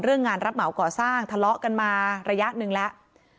งานรับเหมาก่อสร้างทะเลาะกันมาระยะหนึ่งแล้ว